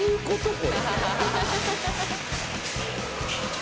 これ。